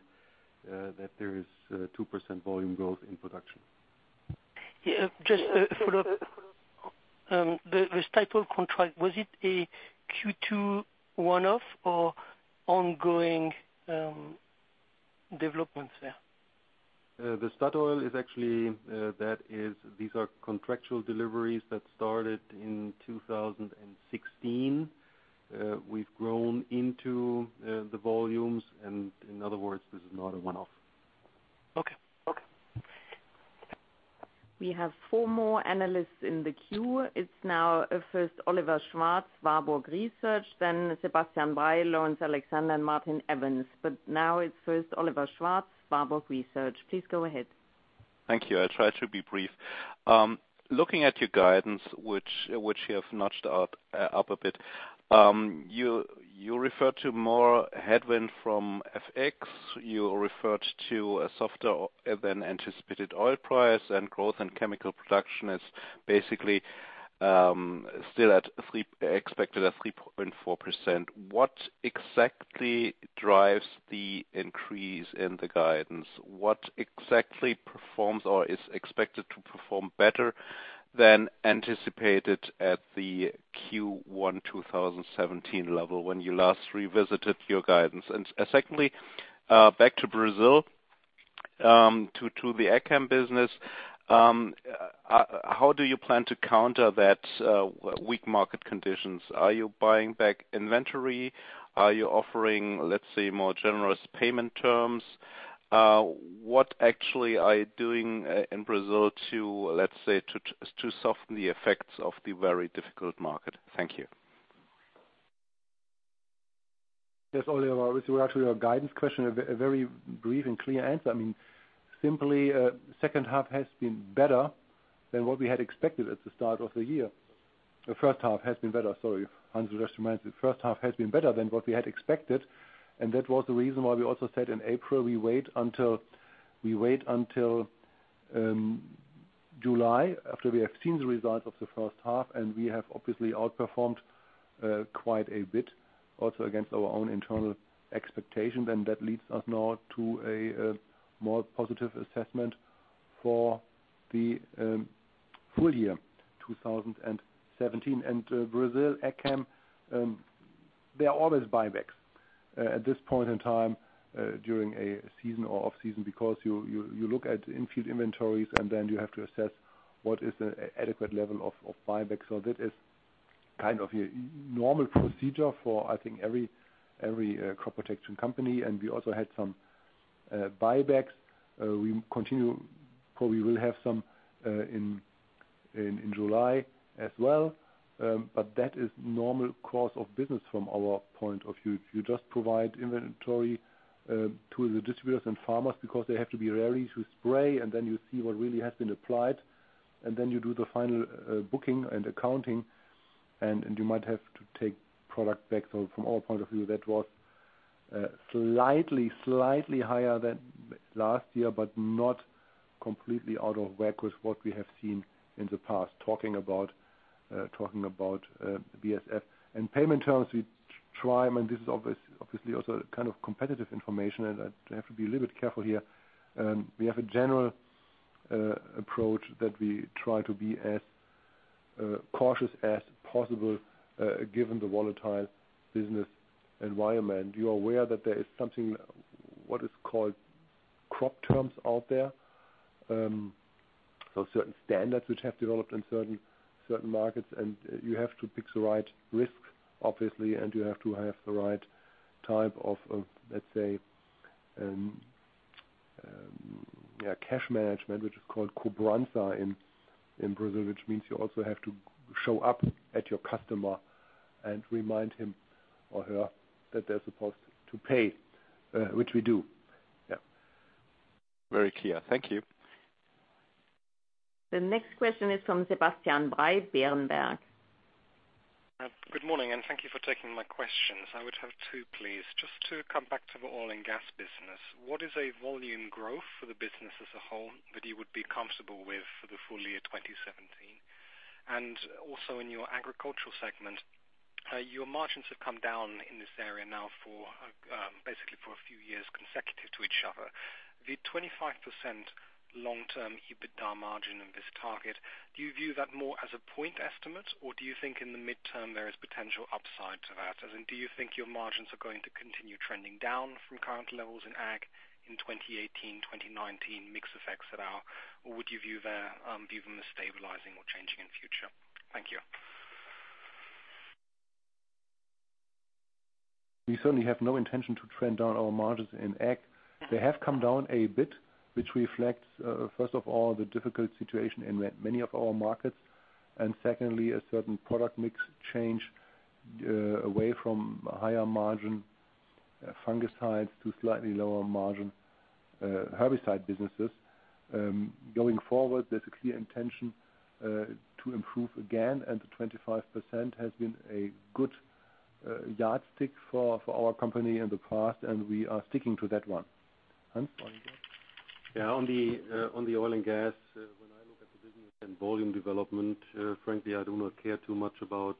that there is 2% volume growth in production. Yeah, just follow up. The Statoil contract, was it a Q2 one-off or ongoing developments there? The Statoil is actually these are contractual deliveries that started in 2016. We've grown into the volumes, and in other words, this is not a one-off. Okay. Okay. We have four more analysts in the queue. It's now first Oliver Schwarz, Warburg Research, then Sebastian Bray, Alexander and Martin Evans. Now it's first Oliver Schwarz, Warburg Research. Please go ahead. Thank you. I'll try to be brief. Looking at your guidance, which you have notched up a bit, you refer to more headwind from FX. You referred to a softer than anticipated oil price and growth in chemical production is basically still expected at 3.4%. What exactly drives the increase in the guidance? What exactly performs or is expected to perform better than anticipated at the Q1 2017 level when you last revisited your guidance? Secondly, back to Brazil, to the agchem business. How do you plan to counter that weak market conditions? Are you buying back inventory? Are you offering, let's say, more generous payment terms? What actually are you doing in Brazil to, let's say, soften the effects of the very difficult market? Thank you. Yes, Oliver, with actually our guidance question, a very brief and clear answer. I mean, simply, second half has been better than what we had expected at the start of the year. The first half has been better, sorry. Hans just reminds me. That was the reason why we also said in April, we wait until July, after we have seen the results of the first half, and we have obviously outperformed quite a bit also against our own internal expectations. That leads us now to a more positive assessment for the full year 2017. Brazil, AgChem, there are always buybacks at this point in time, during a season or off-season because you look at in-field inventories, and then you have to assess what is the adequate level of buyback. That is kind of your normal procedure for, I think, every crop protection company. We also had some buybacks. We continue, probably will have some in July as well. That is normal course of business from our point of view. You just provide inventory to the distributors and farmers because they have to be ready to spray, and then you see what really has been applied, and then you do the final booking and accounting, and you might have to take product back. From our point of view, that was slightly higher than last year, but not completely out of whack with what we have seen in the past, talking about BASF. Payment terms, we try, and this is obviously also kind of competitive information, and I have to be a little bit careful here. We have a general approach that we try to be as cautious as possible, given the volatile business environment. You are aware that there is something, what is called crop terms out there, so certain standards which have developed in certain markets, and you have to pick the right risk, obviously, and you have to have the right type of, let's say, yeah, cash management, which is called cobrança in Brazil, which means you also have to show up at your customer and remind him or her that they're supposed to pay, which we do. Yeah. Very clear. Thank you. The next question is from Sebastian Bray, Berenberg. Good morning, and thank you for taking my questions. I would have two, please. Just to come back to the oil and gas business, what is a volume growth for the business as a whole that you would be comfortable with for the full year 2017? Also in your agricultural segment, your margins have come down in this area now for basically for a few years consecutive to each other. The 25% long-term EBITDA margin in this target, do you view that more as a point estimate, or do you think in the midterm there is potential upside to that? As in, do you think your margins are going to continue trending down from current levels in Ag in 2018, 2019, mix effects that are, or would you view them as stabilizing or changing in future? Thank you. We certainly have no intention to trend down our margins in Ag. They have come down a bit, which reflects first of all the difficult situation in many of our markets, and secondly, a certain product mix change away from higher margin fungicides to slightly lower margin herbicide businesses. Going forward, there's a clear intention to improve again, and the 25% has been a good yardstick for our company in the past, and we are sticking to that one. Hans, oil and gas? Yeah, on the oil and gas, when I look at the business and volume development, frankly, I do not care too much about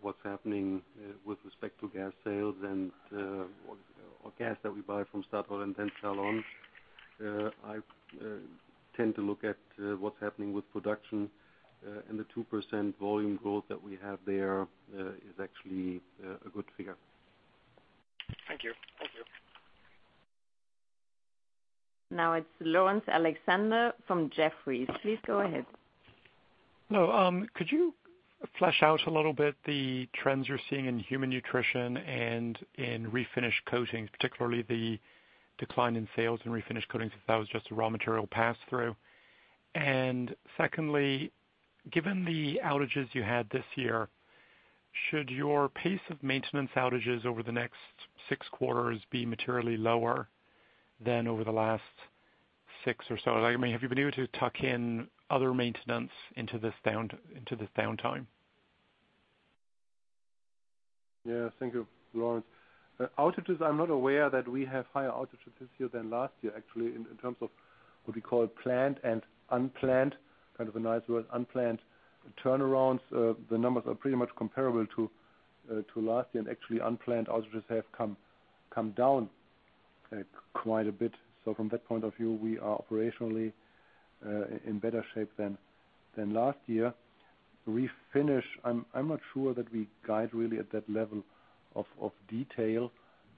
what's happening with respect to gas sales and or gas that we buy from Statoil and then sell on. I tend to look at what's happening with production and the 2% volume growth that we have there is actually a good figure. Thank you. Thank you. Now it's Laurence Alexander from Jefferies. Please go ahead. No, could you flesh out a little bit the trends you're seeing in human nutrition and in refinish coatings, particularly the decline in sales in refinish coatings, if that was just a raw material pass-through? And secondly, given the outages you had this year, should your pace of maintenance outages over the next six quarters be materially lower than over the last six or so? I mean, have you been able to tuck in other maintenance into this downtime? Yeah. Thank you, Laurence. Outages, I'm not aware that we have higher outages this year than last year, actually, in terms of what we call planned and unplanned, kind of a nice word, unplanned turnarounds. The numbers are pretty much comparable to last year, and actually unplanned outages have come down quite a bit. So from that point of view, we are operationally in better shape than last year. Refinish, I'm not sure that we guide really at that level of detail,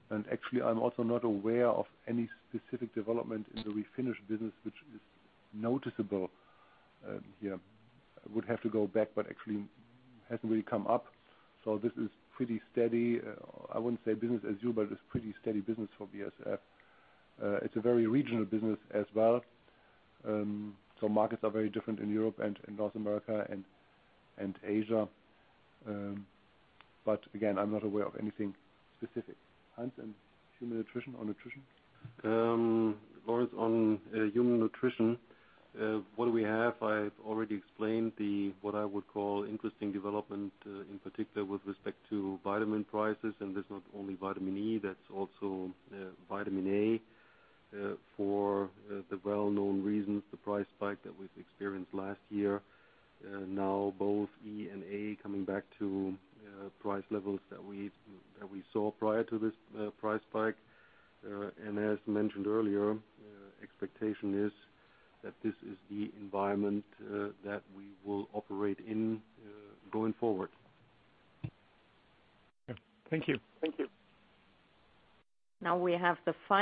and actually I'm also not aware of any specific development in the Refinish business which is noticeable here. I would have to go back, but actually hasn't really come up. So this is pretty steady. I wouldn't say business as usual, but it's pretty steady business for BASF. It's a very regional business as well. Markets are very different in Europe and in North America and Asia. Again, I'm not aware of anything specific. Hans, in Human Nutrition or Nutrition? Boris, on Human Nutrition, what we have, I've already explained the what I would call interesting development in particular with respect to vitamin prices, and there's not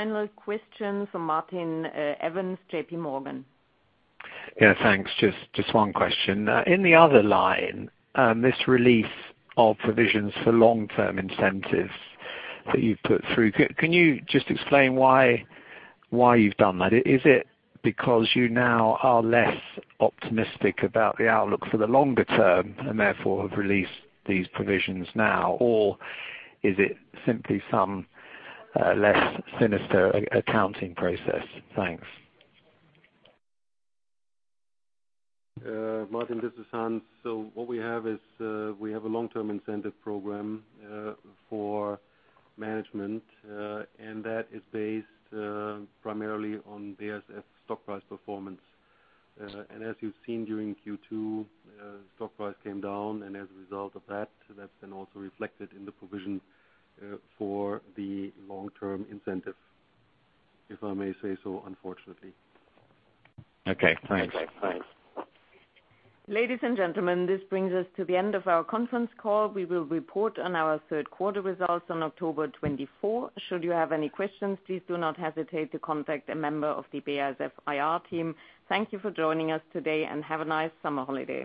only vitamin E, that's also vitamin A for the well-known reasons, the price spike that we've experienced last year. Now both E and A coming back to price levels that we saw prior to this price spike. As mentioned earlier, expectation is that this is the environment that we will operate in going forward. Thank you. Thank you. Now we have the final question from Martin Evans, JPMorgan. Yeah, thanks. Just one question. In the other line, this release of provisions for long-term incentives that you've put through, can you just explain why you've done that? Is it because you now are less optimistic about the outlook for the longer term and therefore have released these provisions now? Or is it simply some less sinister accounting process? Thanks. Martin, this is Hans. What we have is, we have a long-term incentive program for management, and that is based primarily on BASF stock price performance. As you've seen during Q2, stock price came down, and as a result of that's been also reflected in the provision for the long-term incentive. If I may say so, unfortunately. Okay, thanks. Okay, thanks. Ladies and gentlemen, this brings us to the end of our conference call. We will report on our third quarter results on October twenty-fourth. Should you have any questions, please do not hesitate to contact a member of the BASF IR team. Thank you for joining us today, and have a nice summer holiday.